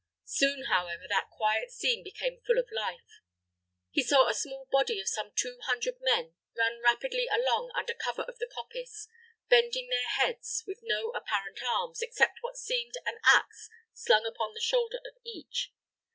Soon, however, that quiet scene became full of life. He saw a small body of some two hundred men run rapidly along under cover of the coppice, bending their heads, with no apparent arms, except what seemed an ax slung upon the shoulder of each.